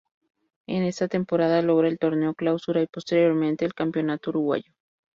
En esta temporada logra el Torneo Clausura y posteriormente el Campeonato Uruguayo.